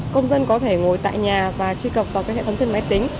công dân có thể ngồi tại nhà và truy cập vào cái hệ thống thuyền máy tính